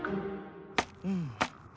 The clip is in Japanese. うん。